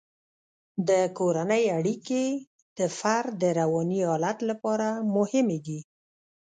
د کورنۍ اړیکې د فرد د رواني حالت لپاره مهمې دي.